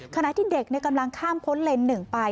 ขณะที่เด็กกำลังข้ามพ้นเลนส์๑ไป